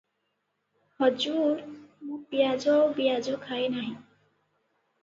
ହଜୁର ମୁଁ ପିଆଜ ଆଉ ବିଆଜ ଖାଏ ନାହିଁ ।